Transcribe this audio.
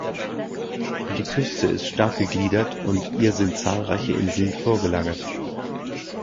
Die Küste ist stark gegliedert und ihr sind zahlreiche Inseln vorgelagert.